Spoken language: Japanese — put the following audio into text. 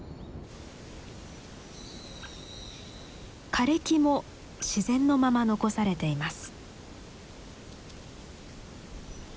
枯れ木も自然のまま残されています。